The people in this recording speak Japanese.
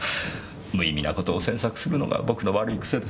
無意味な事を詮索するのが僕の悪い癖です。